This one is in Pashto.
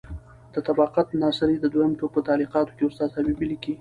د طبقات ناصري د دویم ټوک په تعلیقاتو کې استاد حبیبي لیکي: